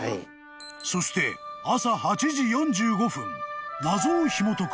［そして朝８時４５分謎をひもとく